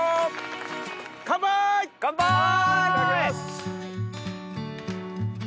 カンパイ！